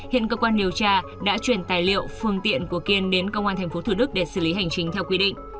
hiện cơ quan điều tra đã chuyển thái liệu phương tiện của kiên đến công an tp thd để xử lý hành trình theo quy định